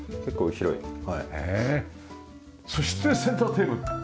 そしてセンターテーブル。